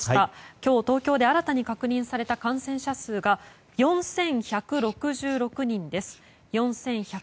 今日、東京で新たに確認された感染者数が４１６６人です。